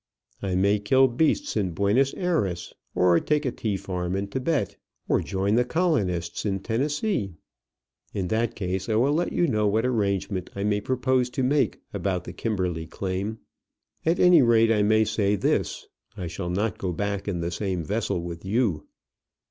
"I may kill beasts in Buenos Ayres, or take a tea farm in Thibet, or join the colonists in Tennessee. In that case I will let you know what arrangement I may propose to make about the Kimberley claim. At any rate, I may say this, I shall not go back in the same vessel with you."